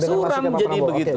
suram jadi begitu